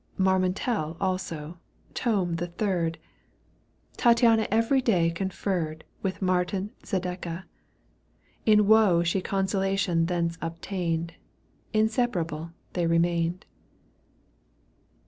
141 Marmontel also, tome the third ; Tattiana every day conferred With Martin Zadeka. In woe She consolation thence obtained — Inseparable they remained.